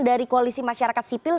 dari koalisi masyarakat sipil